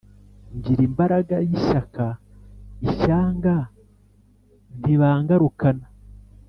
Ngira imbaraga y’ishyaka, ishyanga ntibangarukana,